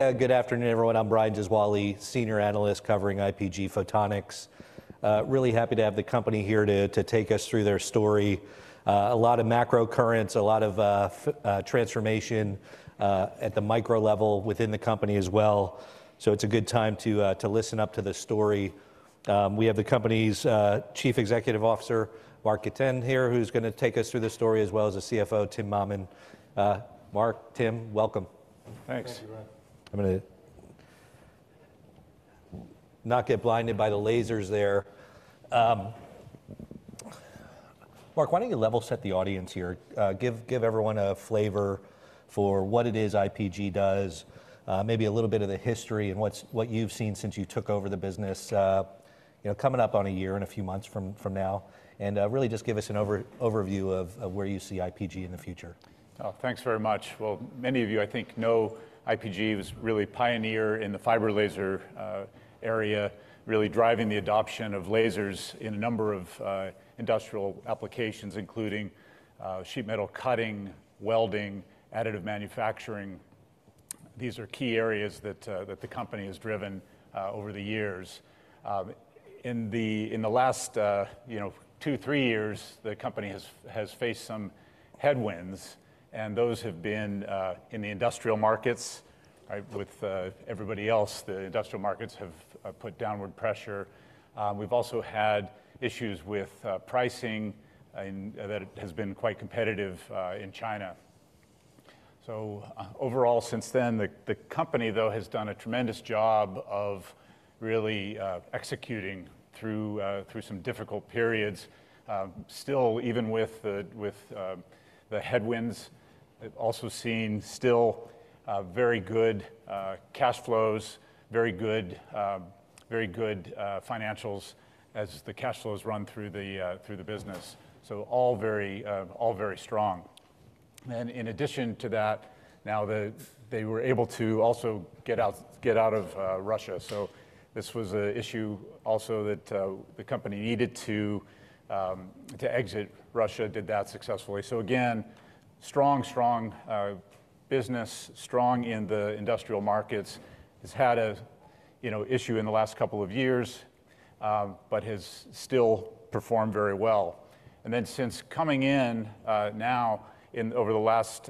Good afternoon, everyone. I'm Brian Gesuale, Senior Analyst covering IPG Photonics. Really happy to have the company here to take us through their story. A lot of macro currents, a lot of transformation at the micro level within the company as well. So it's a good time to listen up to the story. We have the company's Chief Executive Officer, Mark Gitin, here, who's going to take us through the story, as well as the CFO, Tim Mammen. Mark, Tim, welcome. Thanks. I'm going to not get blinded by the lasers there. Mark, why don't you level set the audience here? Give everyone a flavor for what it is IPG does, maybe a little bit of the history and what you've seen since you took over the business, coming up on a year and a few months from now, and really just give us an overview of where you see IPG in the future. Thanks very much. Well, many of you, I think, know IPG was really a pioneer in the fiber laser area, really driving the adoption of lasers in a number of industrial applications, including sheet metal cutting, welding, additive manufacturing. These are key areas that the company has driven over the years. In the last two, three years, the company has faced some headwinds. And those have been in the industrial markets. With everybody else, the industrial markets have put downward pressure. We've also had issues with pricing that has been quite competitive in China. So overall, since then, the company, though, has done a tremendous job of really executing through some difficult periods. Still, even with the headwinds, also seeing still very good cash flows, very good financials as the cash flows run through the business. So all very strong. In addition to that, now they were able to also get out of Russia. This was an issue also that the company needed to exit Russia, did that successfully. Again, strong, strong business, strong in the industrial markets. It's had an issue in the last couple of years, but has still performed very well. Then since coming in now, over the last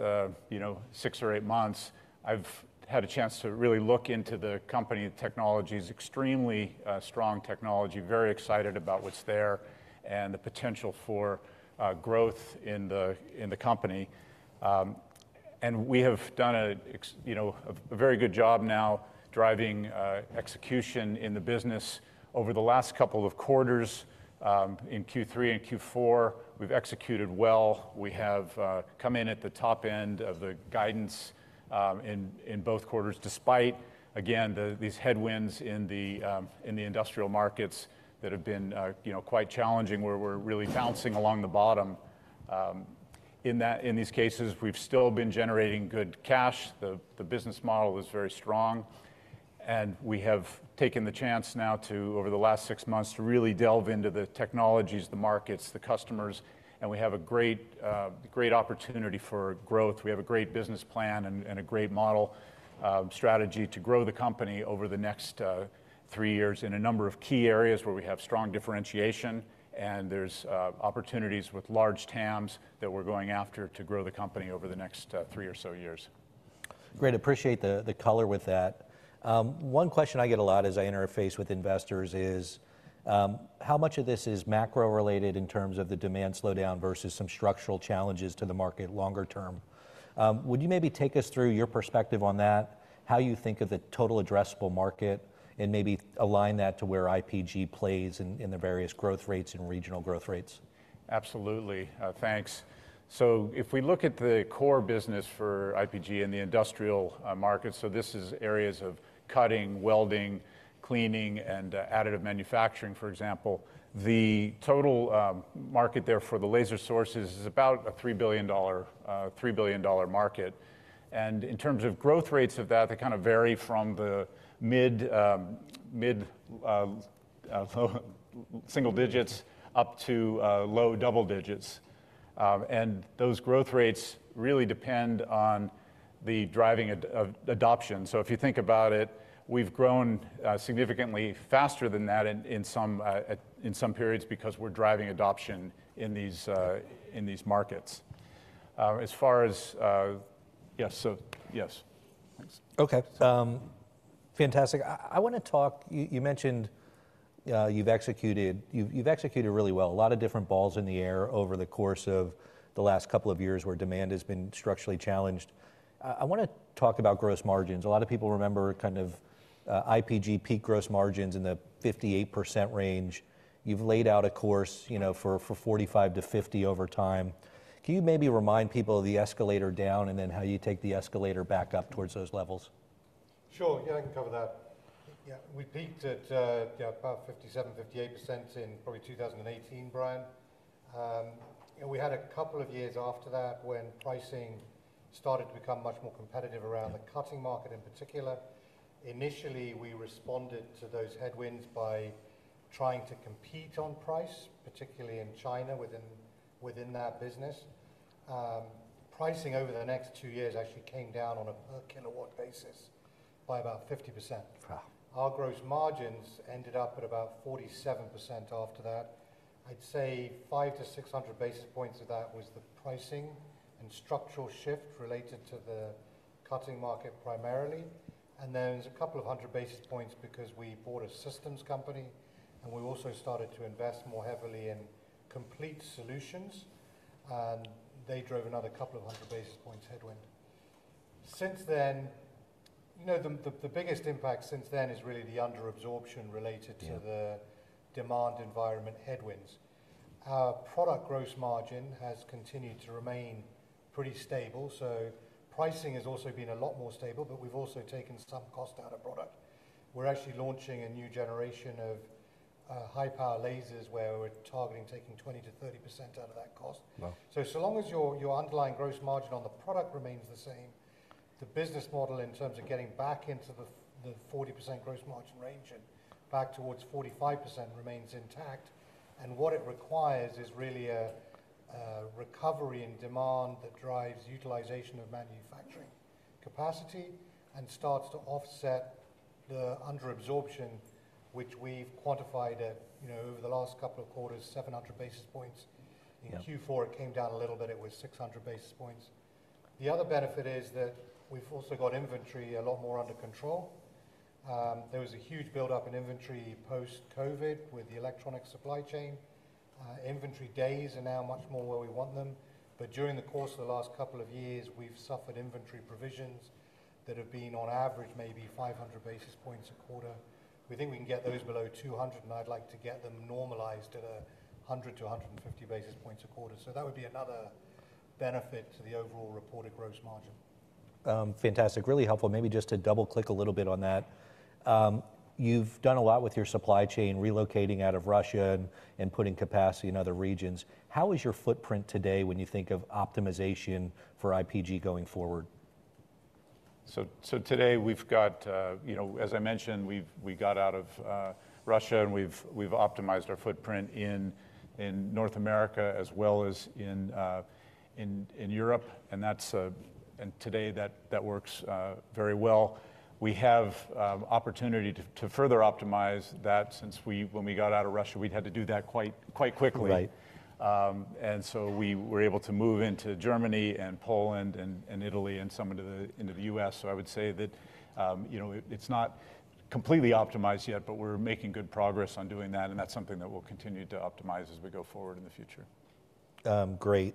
six or eight months, I've had a chance to really look into the company technologies, extremely strong technology, very excited about what's there and the potential for growth in the company. We have done a very good job now driving execution in the business. Over the last couple of quarters, in Q3 and Q4, we've executed well. We have come in at the top end of the guidance in both quarters, despite, again, these headwinds in the industrial markets that have been quite challenging, where we're really bouncing along the bottom. In these cases, we've still been generating good cash. The business model is very strong, and we have taken the chance now, over the last six months, to really delve into the technologies, the markets, the customers, and we have a great opportunity for growth. We have a great business plan and a great model strategy to grow the company over the next three years in a number of key areas where we have strong differentiation, and there's opportunities with large TAMs that we're going after to grow the company over the next three or so years. Great. Appreciate the color with that. One question I get a lot as I interface with investors is, how much of this is macro related in terms of the demand slowdown versus some structural challenges to the market longer term? Would you maybe take us through your perspective on that, how you think of the total addressable market, and maybe align that to where IPG plays in the various growth rates and regional growth rates? Absolutely. Thanks. So if we look at the core business for IPG in the industrial market, so this is areas of cutting, welding, cleaning, and additive manufacturing, for example. The total market there for the laser sources is about a $3 billion market. And in terms of growth rates of that, they kind of vary from the mid single digits up to low double digits. And those growth rates really depend on the driving adoption. So if you think about it, we've grown significantly faster than that in some periods because we're driving adoption in these markets. As far as, yes, yes. OK. Fantastic. I want to talk, you mentioned you've executed really well, a lot of different balls in the air over the course of the last couple of years where demand has been structurally challenged. I want to talk about gross margins. A lot of people remember kind of IPG peak gross margins in the 58% range. You've laid out a course for 45%-50% over time. Can you maybe remind people of the escalator down and then how you take the escalator back up towards those levels? Sure. Yeah, I can cover that. Yeah, we peaked at about 57%-58% in probably 2018, Brian. We had a couple of years after that when pricing started to become much more competitive around the cutting market in particular. Initially, we responded to those headwinds by trying to compete on price, particularly in China within that business. Pricing over the next two years actually came down on a per kilowatt basis by about 50%. Our gross margins ended up at about 47% after that. I'd say 500 to 600 basis points of that was the pricing and structural shift related to the cutting market primarily. And then there's a couple of hundred basis points because we bought a systems company. And we also started to invest more heavily in complete solutions. And they drove another couple of hundred basis points headwind. Since then, you know the biggest impact since then is really the underabsorption related to the demand environment headwinds. Our product gross margin has continued to remain pretty stable, so pricing has also been a lot more stable. But we've also taken some cost out of product. We're actually launching a new generation of high power lasers where we're targeting taking 20%-30% out of that cost. So long as your underlying gross margin on the product remains the same, the business model in terms of getting back into the 40% gross margin range and back towards 45% remains intact, and what it requires is really a recovery in demand that drives utilization of manufacturing capacity and starts to offset the underabsorption, which we've quantified over the last couple of quarters, 700 basis points. In Q4, it came down a little bit. It was 600 basis points. The other benefit is that we've also got inventory a lot more under control. There was a huge buildup in inventory post-COVID with the electronic supply chain. Inventory days are now much more where we want them. But during the course of the last couple of years, we've suffered inventory provisions that have been, on average, maybe 500 basis points a quarter. We think we can get those below 200. And I'd like to get them normalized at 100% to 150 basis points a quarter. So that would be another benefit to the overall reported gross margin. Fantastic. Really helpful. Maybe just to double click a little bit on that. You've done a lot with your supply chain, relocating out of Russia and putting capacity in other regions. How is your footprint today when you think of optimization for IPG going forward? Today, we've got, as I mentioned, we got out of Russia. And we've optimized our footprint in North America as well as in Europe. And today, that works very well. We have opportunity to further optimize that. Since when we got out of Russia, we'd had to do that quite quickly. And so we were able to move into Germany and Poland and Italy and some into the U.S. So I would say that it's not completely optimized yet. But we're making good progress on doing that. And that's something that we'll continue to optimize as we go forward in the future. Great.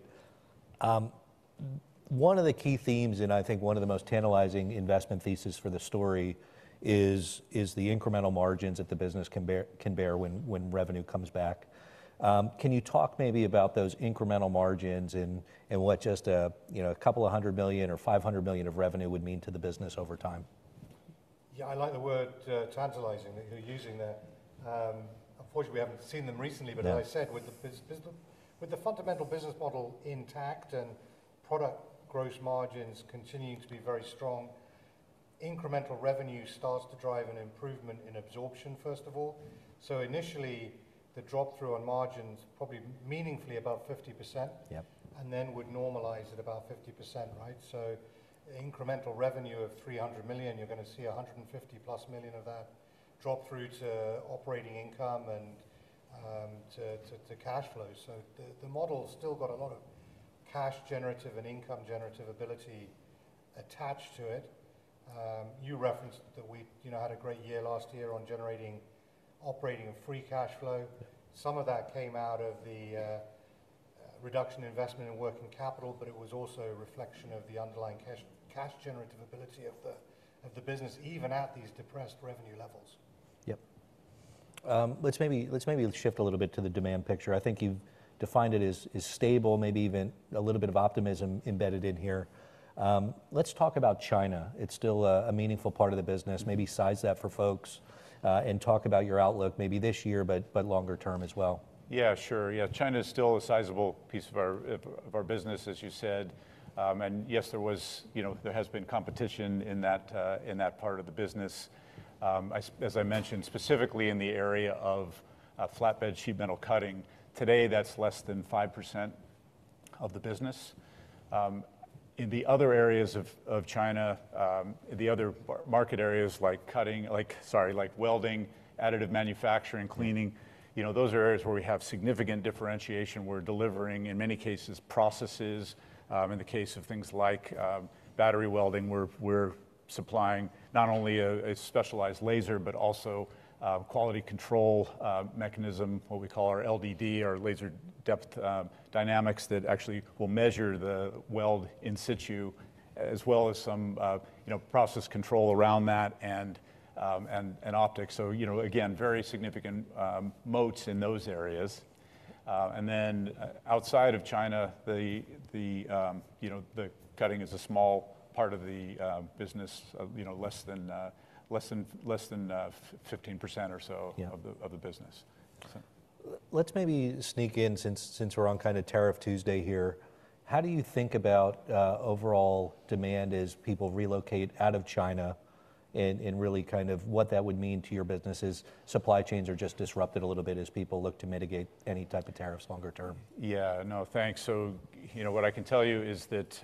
One of the key themes, and I think one of the most tantalizing investment theses for the story, is the incremental margins that the business can bear when revenue comes back. Can you talk maybe about those incremental margins and what just $200 million or $500 million of revenue would mean to the business over time? Yeah, I like the word tantalizing that you're using there. Unfortunately, we haven't seen them recently, but as I said, with the fundamental business model intact and product gross margins continuing to be very strong, incremental revenue starts to drive an improvement in absorption, first of all, so initially, the drop through on margins probably meaningfully about 50%. And then would normalize at about 50%, so incremental revenue of $300 million, you're going to see $150+ million of that drop through to operating income and to cash flow. So the model's still got a lot of cash generative and income generative ability attached to it. You referenced that we had a great year last year on generating operating free cash flow. Some of that came out of the reduction in investment and working capital. But it was also a reflection of the underlying cash generative ability of the business, even at these depressed revenue levels. Yep. Let's maybe shift a little bit to the demand picture. I think you've defined it as stable, maybe even a little bit of optimism embedded in here. Let's talk about China. It's still a meaningful part of the business. Maybe size that for folks and talk about your outlook maybe this year, but longer term as well. Yeah, sure. Yeah, China is still a sizable piece of our business, as you said. And yes, there has been competition in that part of the business. As I mentioned, specifically in the area of flatbed sheet metal cutting, today, that's less than 5% of the business. In the other areas of China, the other market areas like cutting, sorry, like welding, additive manufacturing, cleaning, those are areas where we have significant differentiation. We're delivering, in many cases, processes. In the case of things like battery welding, we're supplying not only a specialized laser, but also quality control mechanism, what we call our LDD, our Laser Depth Dynamics, that actually will measure the weld in situ, as well as some process control around that and optics. So again, very significant moats in those areas. Outside of China, the cutting is a small part of the business, less than 15% or so of the business. Let's maybe sneak in, since we're on kind of Tariff Tuesday here. How do you think about overall demand as people relocate out of China, and really kind of what that would mean to your business if supply chains are just disrupted a little bit as people look to mitigate any type of tariffs longer term? Yeah, no, thanks. So what I can tell you is that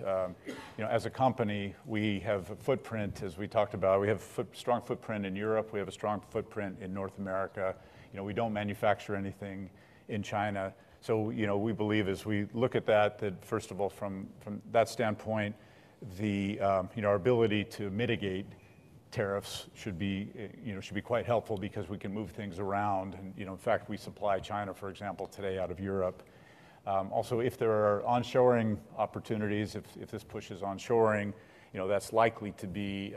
as a company, we have a footprint, as we talked about. We have a strong footprint in Europe. We have a strong footprint in North America. We don't manufacture anything in China. So we believe, as we look at that, that first of all, from that standpoint, our ability to mitigate tariffs should be quite helpful because we can move things around. In fact, we supply China, for example, today out of Europe. Also, if there are onshoring opportunities, if this push is onshoring, that's likely to be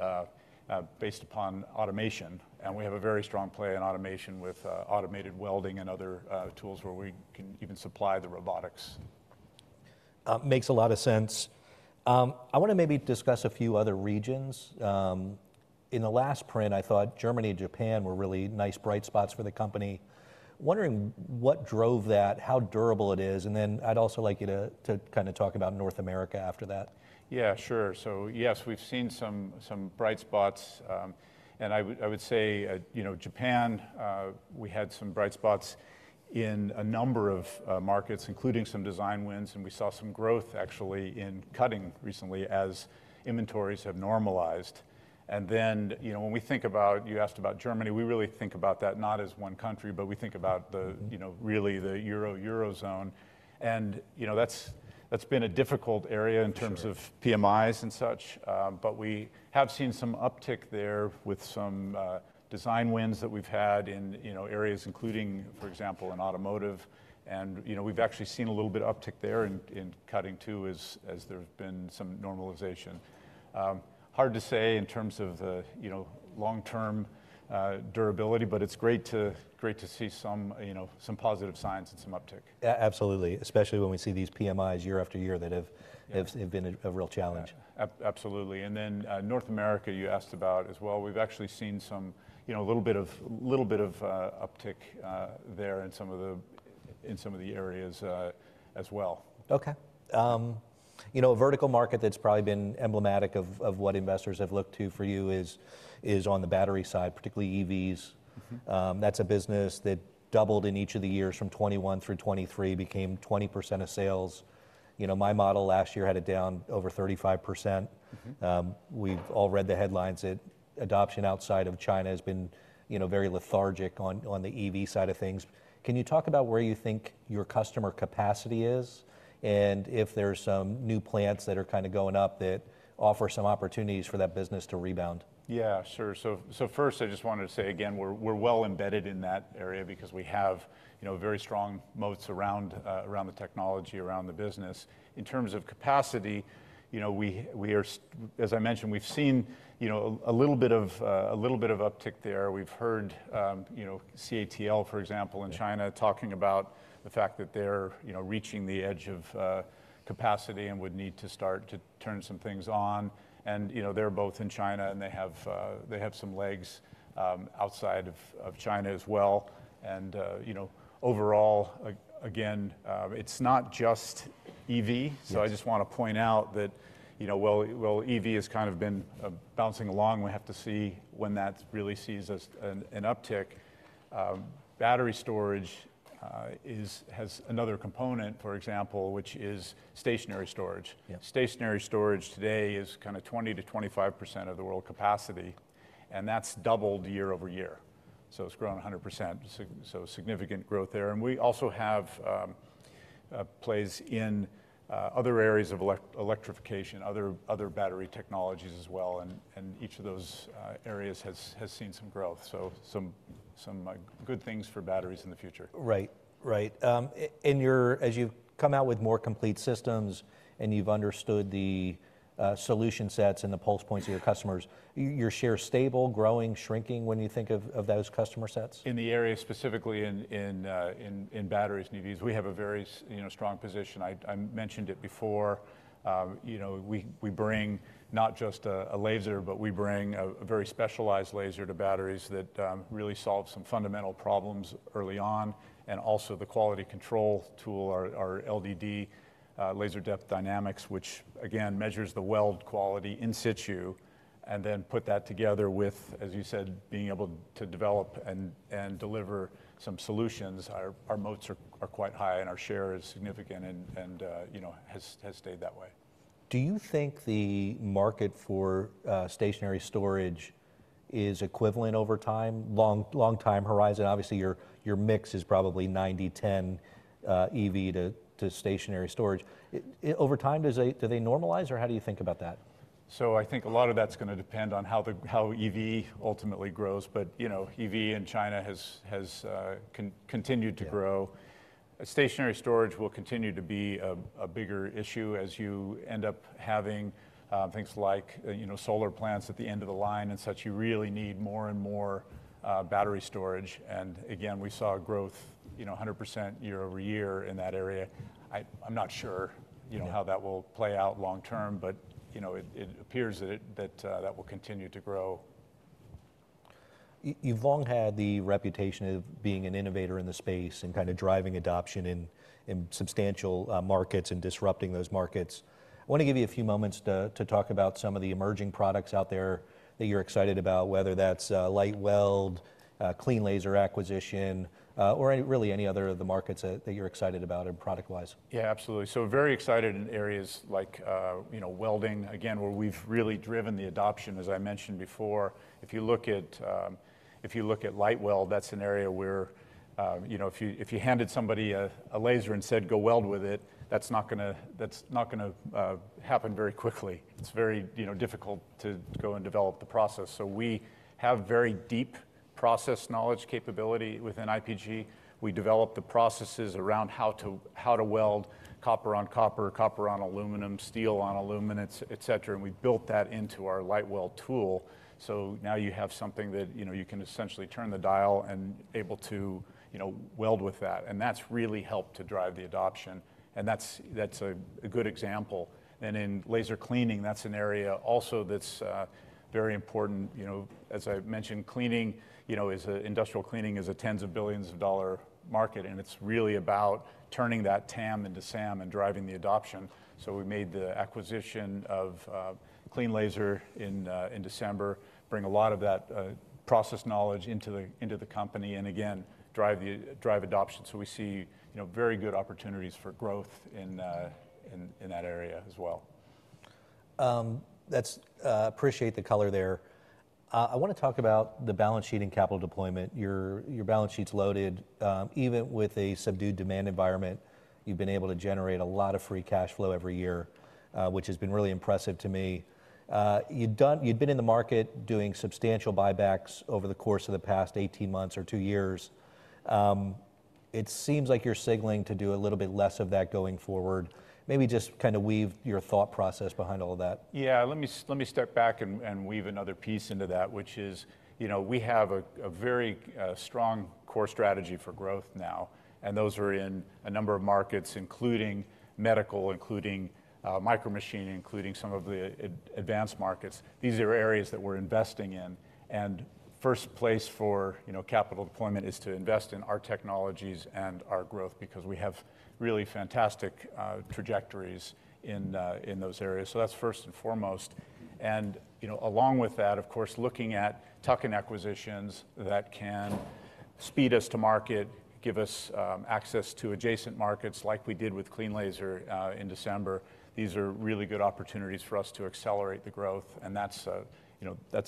based upon automation. And we have a very strong play on automation with automated welding and other tools where we can even supply the robotics. Makes a lot of sense. I want to maybe discuss a few other regions. In the last print, I thought Germany and Japan were really nice bright spots for the company. Wondering what drove that, how durable it is. And then I'd also like you to kind of talk about North America after that. Yeah, sure. So yes, we've seen some bright spots. And I would say Japan, we had some bright spots in a number of markets, including some design wins. And we saw some growth, actually, in cutting recently as inventories have normalized. And then when we think about, you asked about Germany, we really think about that not as one country. But we think about really the Eurozone. And that's been a difficult area in terms of PMIs and such. But we have seen some uptick there with some design wins that we've had in areas including, for example, in automotive. And we've actually seen a little bit of uptick there in cutting too as there's been some normalization. Hard to say in terms of long-term durability. But it's great to see some positive signs and some uptick. Absolutely, especially when we see these PMIs year after year that have been a real challenge. Absolutely. And then North America, you asked about as well. We've actually seen a little bit of uptick there in some of the areas as well. OK. A vertical market that's probably been emblematic of what investors have looked to for you is on the battery side, particularly EVs. That's a business that doubled in each of the years from 2021 through 2023, became 20% of sales. My model last year had it down over 35%. We've all read the headlines. Adoption outside of China has been very lethargic on the EV side of things. Can you talk about where you think your customer capacity is? And if there's some new plants that are kind of going up that offer some opportunities for that business to rebound? Yeah, sure. So first, I just wanted to say, again, we're well embedded in that area because we have very strong moats around the technology, around the business. In terms of capacity, as I mentioned, we've seen a little bit of uptick there. We've heard CATL, for example, in China talking about the fact that they're reaching the edge of capacity and would need to start to turn some things on. And they're both in China. And they have some legs outside of China as well. And overall, again, it's not just EV. So I just want to point out that while EV has kind of been bouncing along, we have to see when that really sees an uptick. Battery storage has another component, for example, which is stationary storage. Stationary storage today is kind of 20%-25% of the world capacity. And that's doubled year over year. It's grown 100%. Significant growth there. We also have plays in other areas of electrification, other battery technologies as well. Each of those areas has seen some growth. Some good things for batteries in the future. Right, right. As you've come out with more complete systems and you've understood the solution sets and the pulse points of your customers, your share is stable, growing, shrinking when you think of those customer sets? In the area specifically in batteries and EVs, we have a very strong position. I mentioned it before. We bring not just a laser, but we bring a very specialized laser to batteries that really solves some fundamental problems early on, and also the quality control tool, our LDD, Laser Depth Dynamics, which again measures the weld quality in situ, and then put that together with, as you said, being able to develop and deliver some solutions. Our moats are quite high, and our share is significant and has stayed that way. Do you think the market for stationary storage is equivalent over time, long time horizon? Obviously, your mix is probably 90%, 10% EV to stationary storage. Over time, do they normalize? Or how do you think about that? So I think a lot of that's going to depend on how EV ultimately grows. But EV in China has continued to grow. Stationary storage will continue to be a bigger issue as you end up having things like solar plants at the end of the line and such. You really need more and more battery storage. And again, we saw growth 100% year over year in that area. I'm not sure how that will play out long term. But it appears that that will continue to grow. You've long had the reputation of being an innovator in the space and kind of driving adoption in substantial markets and disrupting those markets. I want to give you a few moments to talk about some of the emerging products out there that you're excited about, whether that's LightWELD, CleanLASER acquisition, or really any other of the markets that you're excited about product-wise. Yeah, absolutely. So very excited in areas like welding, again, where we've really driven the adoption, as I mentioned before. If you look at LightWELD, that's an area where if you handed somebody a laser and said, go weld with it, that's not going to happen very quickly. It's very difficult to go and develop the process. So we have very deep process knowledge capability within IPG. We develop the processes around how to weld copper on copper, copper on aluminum, steel on aluminum, et cetera. And we built that into our LightWELD tool. So now you have something that you can essentially turn the dial and able to weld with that. And that's really helped to drive the adoption. And that's a good example. And in laser cleaning, that's an area also that's very important. As I mentioned, industrial cleaning is a tens of billions of dollars market. It's really about turning that TAM into SAM and driving the adoption. We made the acquisition of CleanLASER in December, bring a lot of that process knowledge into the company, and again, drive adoption. We see very good opportunities for growth in that area as well. Appreciate the color there. I want to talk about the balance sheet and capital deployment. Your balance sheet's loaded. Even with a subdued demand environment, you've been able to generate a lot of free cash flow every year, which has been really impressive to me. You've been in the market doing substantial buybacks over the course of the past 18 months or two years. It seems like you're signaling to do a little bit less of that going forward. Maybe just kind of weave your thought process behind all of that. Yeah, let me step back and weave another piece into that, which is we have a very strong core strategy for growth now, and those are in a number of markets, including medical, including micromachining, including some of the advanced markets. These are areas that we're investing in, and first place for capital deployment is to invest in our technologies and our growth because we have really fantastic trajectories in those areas. So that's first and foremost, and along with that, of course, looking at tuck-in acquisitions that can speed us to market, give us access to adjacent markets like we did with CleanLASER in December. These are really good opportunities for us to accelerate the growth, and that's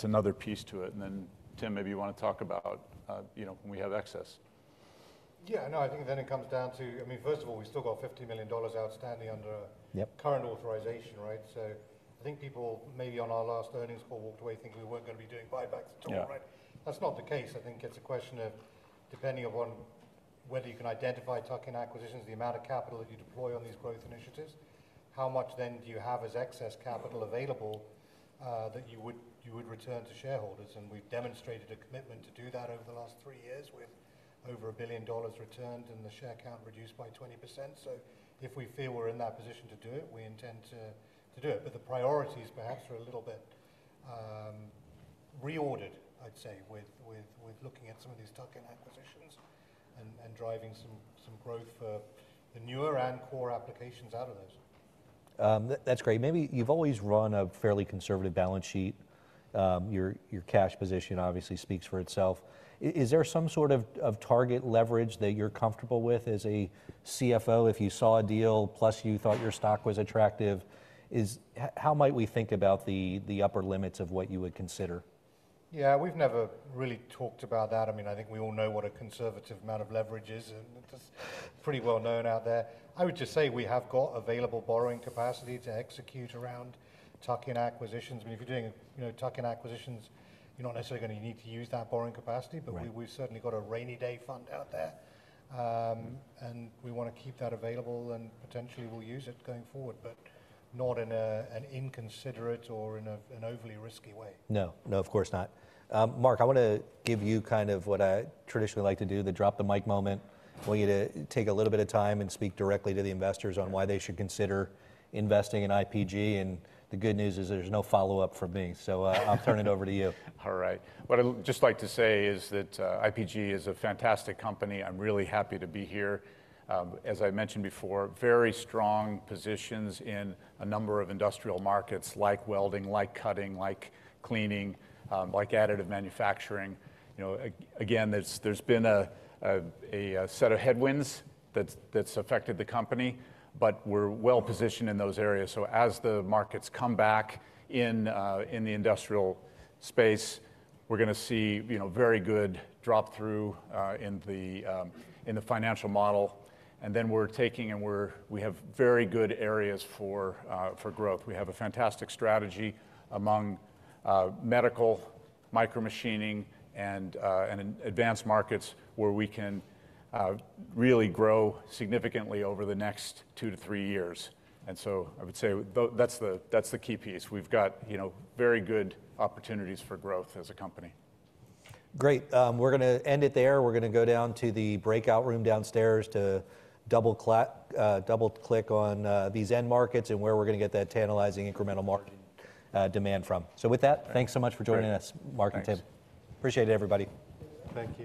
another piece to it, and then Tim, maybe you want to talk about when we have excess. Yeah, no, I think then it comes down to, I mean, first of all, we've still got $50 million outstanding under current authorization, right? So I think people maybe on our last earnings call walked away thinking we weren't going to be doing buybacks at all, right? That's not the case. I think it's a question of depending upon whether you can identify tuck-in acquisitions, the amount of capital that you deploy on these growth initiatives, how much then do you have as excess capital available that you would return to shareholders, and we've demonstrated a commitment to do that over the last three years with over $1 billion returned and the share count reduced by 20%. So if we feel we're in that position to do it, we intend to do it. But the priorities perhaps are a little bit reordered, I'd say, with looking at some of these tuck-in acquisitions and driving some growth for the newer and core applications out of those. That's great. Maybe you've always run a fairly conservative balance sheet. Your cash position obviously speaks for itself. Is there some sort of target leverage that you're comfortable with as a CFO? If you saw a deal plus you thought your stock was attractive, how might we think about the upper limits of what you would consider? Yeah, we've never really talked about that. I mean, I think we all know what a conservative amount of leverage is. And it's pretty well known out there. I would just say we have got available borrowing capacity to execute around tuck-in acquisitions. I mean, if you're doing tuck-in acquisitions, you're not necessarily going to need to use that borrowing capacity. But we've certainly got a rainy day fund out there. And we want to keep that available. And potentially, we'll use it going forward, but not in an inconsiderate or in an overly risky way. No, no, of course not. Mark, I want to give you kind of what I traditionally like to do, the drop the mic moment. I want you to take a little bit of time and speak directly to the investors on why they should consider investing in IPG. And the good news is there's no follow-up from me. So I'll turn it over to you. All right. What I'd just like to say is that IPG is a fantastic company. I'm really happy to be here. As I mentioned before, very strong positions in a number of industrial markets like welding, like cutting, like cleaning, like additive manufacturing. Again, there's been a set of headwinds that's affected the company. But we're well positioned in those areas. So as the markets come back in the industrial space, we're going to see very good drop-through in the financial model. And then we're taking and we have very good areas for growth. We have a fantastic strategy among medical, micromachining, and advanced markets where we can really grow significantly over the next two to three years. And so I would say that's the key piece. We've got very good opportunities for growth as a company. Great. We're going to end it there. We're going to go down to the breakout room downstairs to double-click on these end markets and where we're going to get that tantalizing incremental market demand from. So with that, thanks so much for joining us, Mark and Tim. Appreciate it, everybody. Thank you.